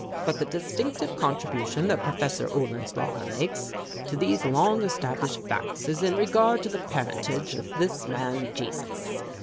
"But the distinctive contribution that Prof. Ohlenslagger makes to these long established facts is in regard to the parentage of this man Jesus.